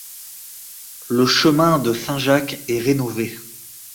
Le chemin de Saint-Jacques est rénové.